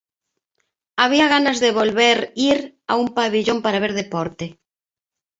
Había ganas de volver ir a un pavillón para ver deporte.